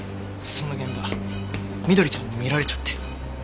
その現場翠ちゃんに見られちゃって。